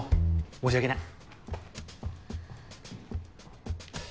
申し訳ない。